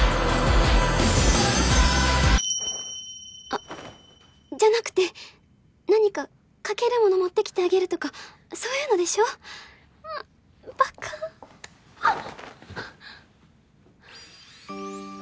あっじゃなくて何かかけるもの持ってきてあげるとかそういうのでしょバカッあっ！